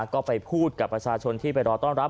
ก็ไปพูดกับประชาชนที่ไปรอต้อนรับ